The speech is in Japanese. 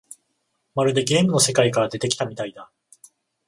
まるでゲームの世界から出てきたみたいだ